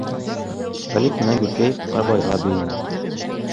Талип менән Гөлкәй «Ҡарабай»ға бейене.